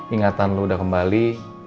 ingatan lu udah kembali